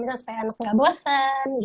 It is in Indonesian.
supaya anak tidak bosan